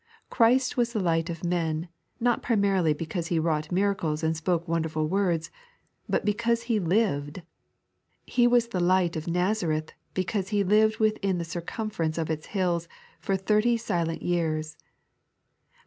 Christ was the Light of men, not primarily because He wrought miracles and spoke wonderful words, but because He lived 1 He was the Light of Nazareth, because He lived within the circumference of its hills for thirty alent jears.